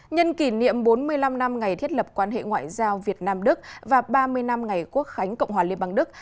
nhân kỷ niệm bốn mươi năm năm ngày thiết lập quan hệ ngoại giao việt nam đức và ba mươi năm ngày quốc khánh cộng hòa liên bang đức